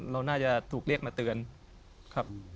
เราน่าจะถูกเรียกมาเตือนครับ